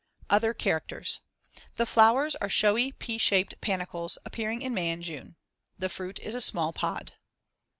] Other characters: The flowers are showy pea shaped panicles appearing in May and June. The fruit is a small pod.